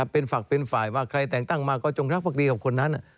เป็นฝักเป็นฝ่ายว่าใครแต่งตั้งมาก็จงรักภักดีกับคนนั้น